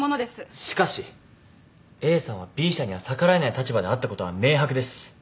しかしＡさんはＢ社には逆らえない立場であったことは明白です。